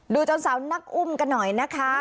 จนสาวนักอุ้มกันหน่อยนะคะ